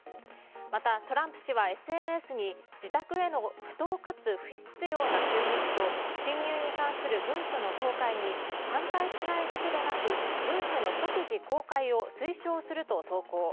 また、トランプ氏はＳＮＳに自宅への不当かつ不必要な襲撃と侵入に関する文書の公開に反対しないだけでなく文書の即時公開を推奨すると投稿。